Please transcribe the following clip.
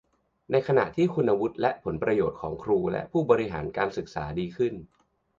ในขณะที่คุณวุฒิและผลประโยชน์ของครูและผู้บริหารการศึกษาดีขึ้น